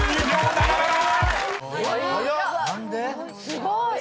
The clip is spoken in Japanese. すごい！